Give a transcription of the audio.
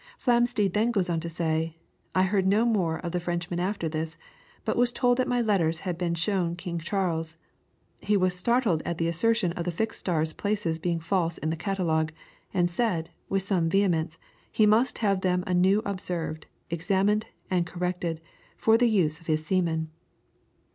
Flamsteed then goes on to say: "I heard no more of the Frenchman after this; but was told that my letters had been shown King Charles. He was startled at the assertion of the fixed stars' places being false in the catalogue, and said, with some vehemence, he must have them anew observed, examined, and corrected, for the use of his seamen."